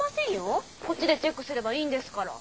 こっちでチェックすればいいんですから。